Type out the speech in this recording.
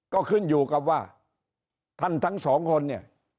ก็ขึ้นอยู่กับว่าท่านทั้งสองคนเนี่ย